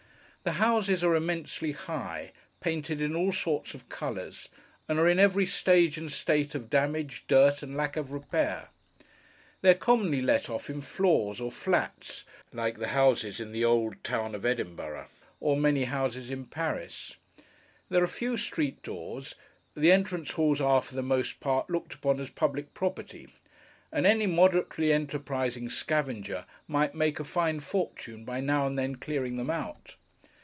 The houses are immensely high, painted in all sorts of colours, and are in every stage and state of damage, dirt, and lack of repair. They are commonly let off in floors, or flats, like the houses in the old town of Edinburgh, or many houses in Paris. There are few street doors; the entrance halls are, for the most part, looked upon as public property; and any moderately enterprising scavenger might make a fine fortune by now and then clearing them out.